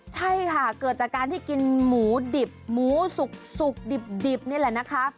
ใช่ค่ะเกิดจากการที่กินหมูดิบหมูสุกดิบนี่แหละนะคะ